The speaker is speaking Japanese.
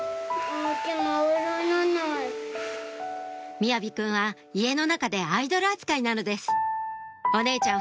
雅己くんは家の中でアイドル扱いなのですお姉ちゃん